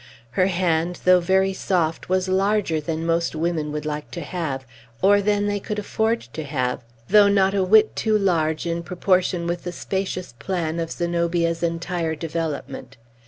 Her hand, though very soft, was larger than most women would like to have, or than they could afford to have, though not a whit too large in proportion with the spacious plan of Zenobia's entire development.